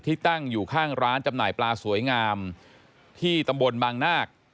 ตั้งอยู่ข้างร้านจำหน่ายปลาสวยงามที่ตำบลบางนาค